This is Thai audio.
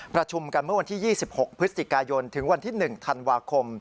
ประชุมกันเมื่อวันที่๒๖พฤศจิกายนถึงวันที่๑ธันวาคม